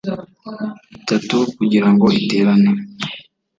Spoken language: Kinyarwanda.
Itatu kugira ngo iterane